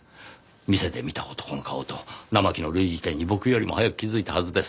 店で見た男の顔と生木の類似点に僕よりも早く気づいたはずです。